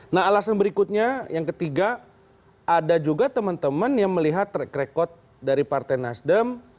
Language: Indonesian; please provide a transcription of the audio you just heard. nah alasan berikutnya yang ketiga ada juga teman teman yang melihat track record dari partai nasdem